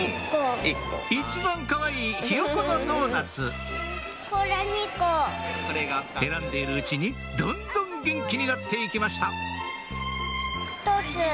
一番かわいいヒヨコのドーナツ選んでいるうちにどんどん元気になって行きました